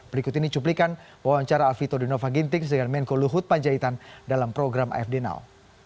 berikut ini cuplikan wawancara alfito dinova ginting dengan menko luhut panjaitan dalam program afd now